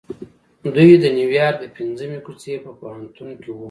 دوی د نيويارک د پنځمې کوڅې په پوهنتون کې وو.